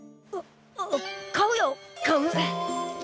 あ買うよ買う。